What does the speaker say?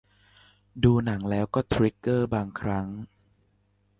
ดูหนังแล้วก็ทริกเกอร์ บางครั้ง